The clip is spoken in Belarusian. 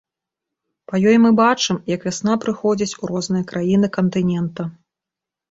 Па ёй мы бачым, як вясна прыходзіць у розныя краіны кантынента.